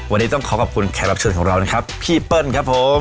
วันนี้ต้องขอขอบคุณแขกรับเชิญของเรานะครับพี่เปิ้ลครับผม